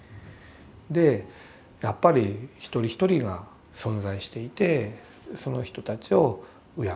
でやっぱり一人一人が存在していてその人たちを敬う。